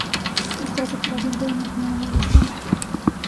Esto hace que el avión pueda mantener un vuelo estable.